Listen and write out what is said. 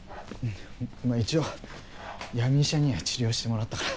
まあ一応闇医者には治療してもらったから。